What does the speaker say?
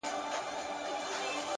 د ځناورو په خوني ځنگل کي ـ